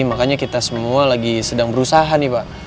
makanya kita semua lagi sedang berusaha nih pak